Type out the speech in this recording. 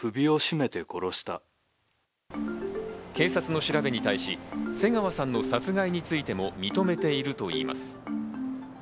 警察の調べに対し、瀬川さんの殺害についても認めているといいます。